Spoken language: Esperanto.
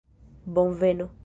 bonveno